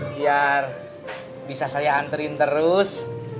biar bisa saya anterin terus